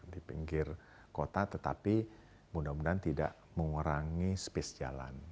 di pinggir kota tetapi mudah mudahan tidak mengurangi space jalan